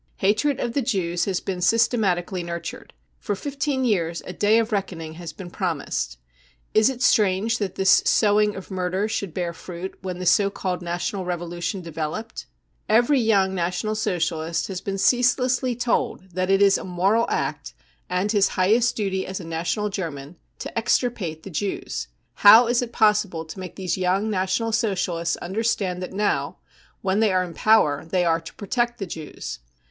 Hatred of the Jews has been systematically nurtured. For fifteen years a cc day of reckoning 55 has been promised. Is it strange that this sowing of murder should bear fruit when the so called National Revolution developed ? Every r 1 THE PERSECUTION OF JEWS 235 \\ young National Socialist has been ceaselessly told that it is | a moral act, and his highest duty as a national German, to extirpate the Jews. How is it possible to make these young National Socialists understand that now, when they are in power, they are to protect the Jews